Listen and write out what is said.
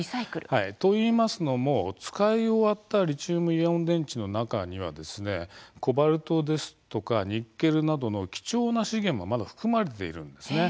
というのも使い終わったリチウムイオン電池の中にはコバルトやニッケルなどの貴重な資源もまだ含まれているんです。